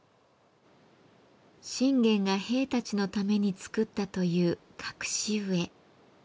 信玄が兵たちのためにつくったという隠し湯へ。